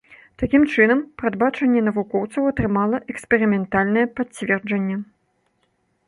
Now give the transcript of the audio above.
Такім чынам, прадбачанне навукоўцаў атрымала эксперыментальнае пацверджанне.